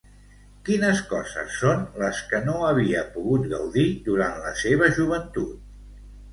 Quines coses són les que no havia pogut gaudir durant la seva joventut?